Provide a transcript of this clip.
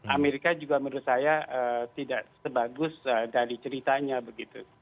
amerika juga menurut saya tidak sebagus dari ceritanya begitu